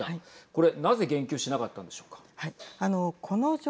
これ、なぜ言及しなかったんでしょうか。